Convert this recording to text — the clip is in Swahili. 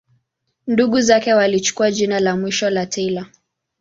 Ndugu zake walichukua jina la mwisho la Taylor.